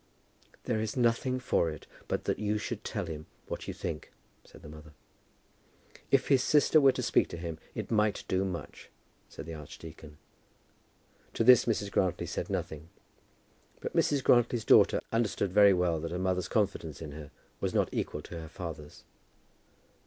"There is nothing for it, but that you should tell him what you think," said the mother. "If his sister were to speak to him, it might do much," said the archdeacon. To this Mrs. Grantly said nothing; but Mrs. Grantly's daughter understood very well that her mother's confidence in her was not equal to her father's.